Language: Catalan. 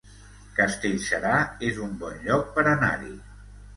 Castellserà es un bon lloc per anar-hi